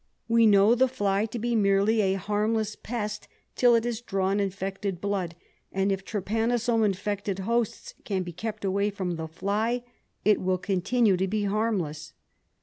We know the fly to be merely a harmless pest till it has drawn infected blood, and if trypanosome infected hosts can be kept away from the fly, it will continue to be harmless.